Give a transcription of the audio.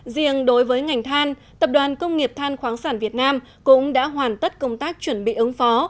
riêng đối với ngành than tập đoàn công nghiệp than khoáng sản việt nam cũng đã hoàn tất công tác chuẩn bị ứng phó